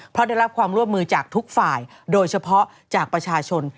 เพราะได้รับความร่วมมือจากทุกฝ่ายโดยเฉพาะจากประชาชน